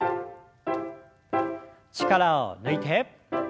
力を抜いて。